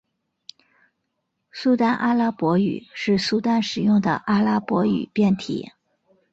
苏丹阿拉伯语是苏丹使用的阿拉伯语变体。